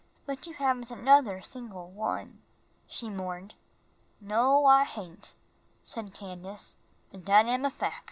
But you haven't another single one," she mourned. "No, I hain'," said Candace, "an' dat am a fac'.